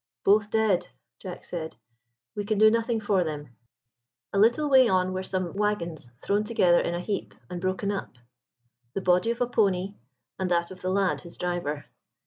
"Both dead," Jack said; "we can do nothing for them." A little way on were some waggons thrown together in a heap, and broken up; the body of a pony; and that of the lad, his driver.